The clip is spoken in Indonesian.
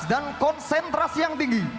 dan konsentrasi yang tinggi